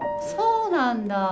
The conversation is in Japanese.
そうなんだ。